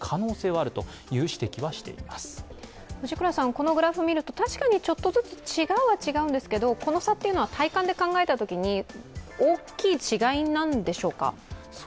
このグラフを見ると、確かにちょっとずつ違うは違うんですけどこの差は体感で考えたときに大きい違いなんでしょうか？